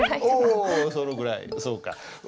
おそのぐらいそうか。